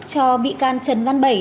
cho bị can trần văn bảy